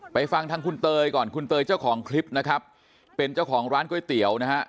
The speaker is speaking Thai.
ฟังทางคุณเตยก่อนคุณเตยเจ้าของคลิปนะครับเป็นเจ้าของร้านก๋วยเตี๋ยวนะฮะ